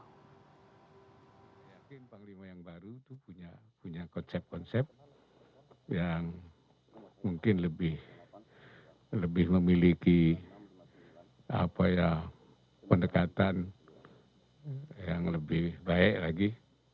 saya yakin panglima yang baru itu punya konsep konsep yang mungkin lebih memiliki pendekatan yang lebih baik lagi